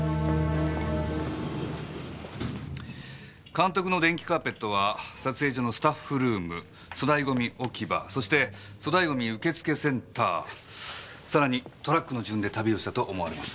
監督の電気カーペットは撮影所のスタッフルーム粗大ゴミ置き場そして粗大ゴミ受付センターさらにトラックの順で旅をしたと思われます。